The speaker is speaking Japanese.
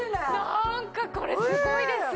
なんかこれすごいですよ。